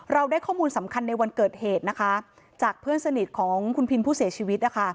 เราได้ข้อมูลสำคัญในวันเกิดเหตุนะคะจากเพื่อนสนิทของคุณพินผู้เสียชีวิตนะคะ